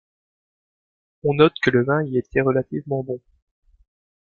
On note que le vin y était relativement bon.